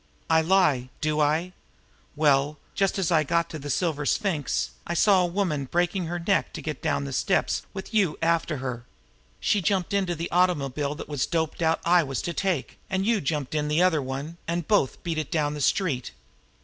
I lie, do I? Well, just as I got to the Silver Sphinx, I saw a woman breaking her neck to get down the steps with you after her. She jumped into the automobile it was doped out I was to take, and you jumped into the other one, and both beat it down the street.